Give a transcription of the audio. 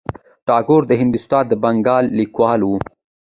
ټاګور د هندوستان د بنګال لیکوال و.